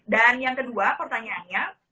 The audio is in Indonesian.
dan yang kedua pertanyaannya